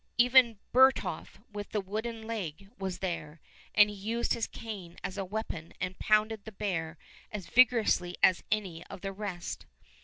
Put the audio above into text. Even Bertolf with the wooden leg was there, and he used his cane as a weapon and pounded the bear as vigorously as any of the rest.